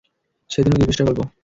সেদিন ওই দুই পৃষ্ঠার গল্প।